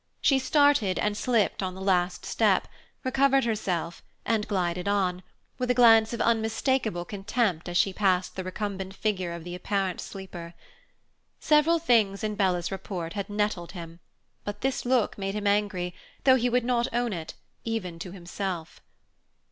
She started and slipped on the last step, recovered herself, and glided on, with a glance of unmistakable contempt as she passed the recumbent figure of the apparent sleeper. Several things in Bella's report had nettled him, but this look made him angry, though he would not own it, even to himself.